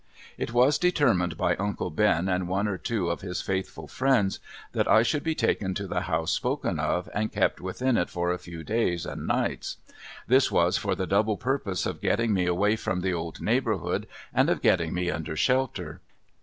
It was determined by uncle Ben and one or two of his faithful friends that I should be taken to the house spoken of and kept within it for a few days and nights. This was for the double purpose of getting me away from the old neighborhood and of getting me under shelter.